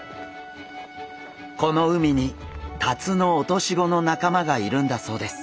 この海にタツノオトシゴの仲間がいるんだそうです。